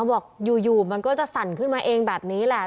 บอกอยู่มันก็จะสั่นขึ้นมาเองแบบนี้แหละ